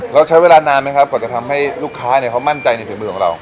เราใช้เวลานานไหมครับกว่าจะทำให้ลูกค้าเขามั่นใจในฝีมือของเรา